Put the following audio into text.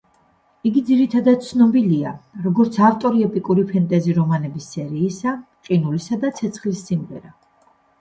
იგი ძირითადად ცნობილია, როგორც ავტორი ეპიკური ფენტეზი რომანების სერიისა „ყინულისა და ცეცხლის სიმღერა“.